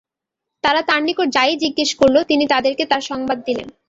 তারা তাঁর নিকট যা-ই জিজ্ঞেস করল তিনি তাদেরকে তার সংবাদ দিলেন।